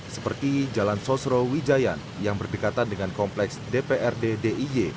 seperti jalan sosro wijayan yang berdekatan dengan kompleks dprd diy